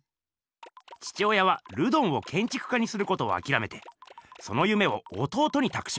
父親はルドンをけんちく家にすることをあきらめてその夢を弟にたくします。